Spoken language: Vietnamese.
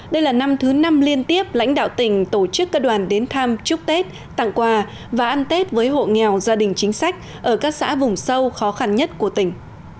đây là năm thứ năm liên tiếp lãnh đạo tỉnh tổ chức các đoàn đến thăm chúc tết tặng quà và ăn tết với hộ nghèo gia đình chính sách ở các xã vùng sâu khó khăn nhất của tỉnh